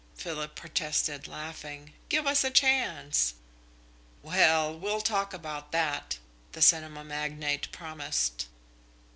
Philip protested, laughing. "Give us a chance!" "Well, we'll talk about that," the cinema magnate promised.